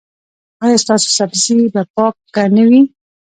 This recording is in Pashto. ایا ستاسو سبزي به پاکه نه وي؟